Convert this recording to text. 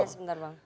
tidak sebentar bang